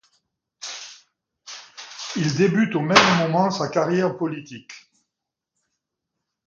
Il débute au même moment sa carrière politique.